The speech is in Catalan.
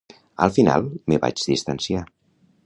Al final me vaig distanciar